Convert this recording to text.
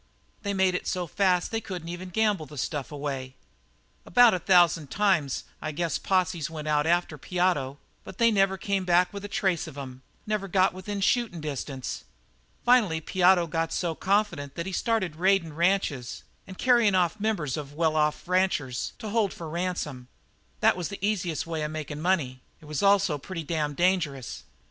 They made it so fast they couldn't even gamble the stuff away. About a thousand times, I guess posses went out after Piotto, but they never came back with a trace of 'em; they never got within shootin' distance. Finally Piotto got so confident that he started raidin' ranches and carryin' off members of well off ranchers to hold for ransom. That was the easiest way of makin' money; it was also pretty damned dangerous.